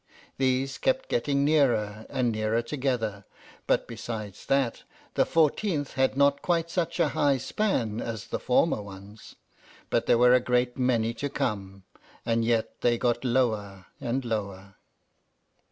These kept getting nearer and nearer together, but, besides that, the fourteenth had not quite such a high span as the former ones; but there were a great many to come, and yet they got lower and lower.